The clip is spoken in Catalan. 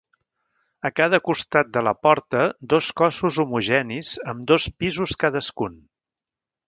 A cada costat de la porta dos cossos homogenis amb dos pisos cadascun.